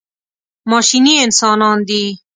ماشیني انسانان دي.